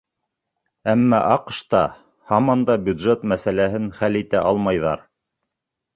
Әммә АҠШ-та һаман да бюджет мәсьәләһен хәл итә алмайҙар.